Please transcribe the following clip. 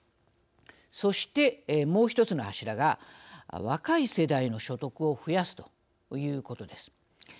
そしてもう１つの柱が若い世代の所得を増やすということです。